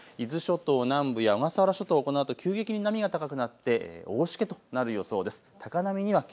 伊豆諸島南部や小笠原諸島、このあと急激に波が高くなって大しけとなる予想です。